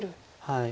はい。